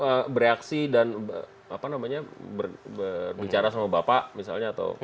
langsung bereaksi dan berbicara sama bapak misalnya